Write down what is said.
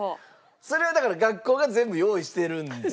それはだから学校が全部用意してるんですか？